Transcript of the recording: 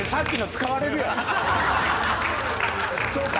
そうか。